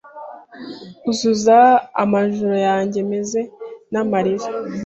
Uzuza amajoro yanjye meza namarira